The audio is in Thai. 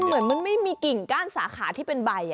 เหมือนมันไม่มีกิ่งก้านสาขาที่เป็นใบ